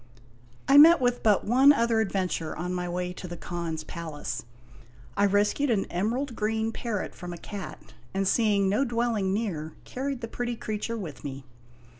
I met with but one other adventure on my way to the Khan's palace. I rescued an emerald green parrot from a cat, and seeing no dwelling near carried the pretty creature with me.